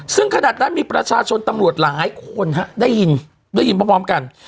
ซึ่งขนาดนั้นมีประชาชนตำรวจหลายคนฮะได้ยินได้ยินพร้อมกัน